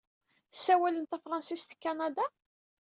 Ssawalen tafṛensist deg Kanada?